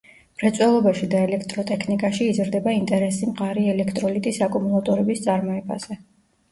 მრეწველობაში და ელექტროტექნიკაში იზრდება ინტერესი მყარი ელექტროლიტის აკუმულატორების წარმოებაზე.